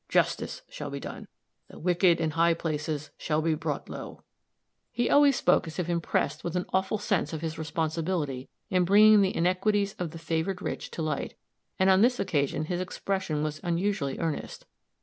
Justice shall be done. The wicked in high places shall be brought low." He always spoke as if impressed with an awful sense of his responsibility in bringing the iniquities of the favored rich to light; and on this occasion his expression was unusually earnest.